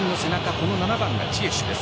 この７番がジエシュです。